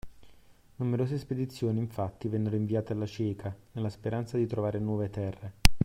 Numerose spedizioni, infatti, vennero inviate alla cieca, nella speranza di trovare nuove terre.